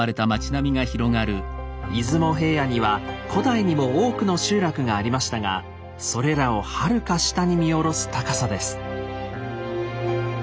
出雲平野には古代にも多くの集落がありましたがそれらをはるか下に見下ろす高さです。